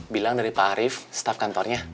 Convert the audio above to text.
bilang dari pak arief staf kantornya